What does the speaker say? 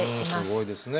すごいですね。